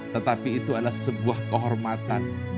tetapi itu adalah sebuah kehormatan